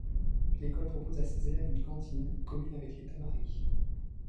L'école propose à ses élèves une cantine, commune avec les Tamaris.